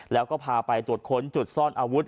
แล้วก็พาไปตรวจค้นจุดซ่อนอาวุธ